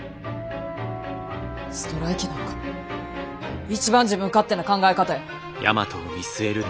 ストライキなんか一番自分勝手な考え方や。